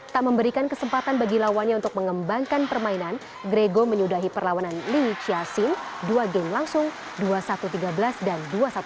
tak memberikan kesempatan bagi lawannya untuk mengembangkan permainan grego menyudahi perlawanan li chiasin dua game langsung dua satu tiga belas dan dua satu tiga belas